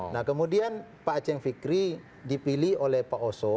nah kemudian pak aceh fikri dipilih oleh pak oso